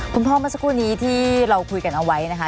เมื่อสักครู่นี้ที่เราคุยกันเอาไว้นะคะ